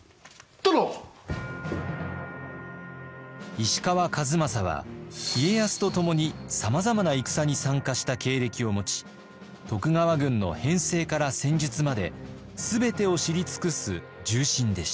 石川数正は家康と共にさまざまな戦に参加した経歴を持ち徳川軍の編制から戦術まで全てを知り尽くす重臣でした。